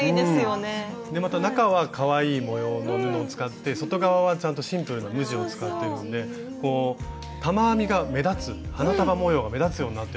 また中はかわいい模様の布を使って外側はちゃんとシンプルな無地を使ってるんで玉編みが目立つ花束模様が目立つようになってるんですね。